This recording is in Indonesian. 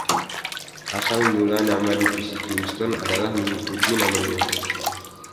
Asal mula nama Divisi Kingston adalah mengikuti namanya.